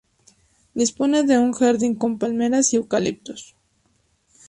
Dispone de un jardín con palmeras y eucaliptos.